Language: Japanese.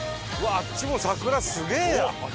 あっちも桜すげえや！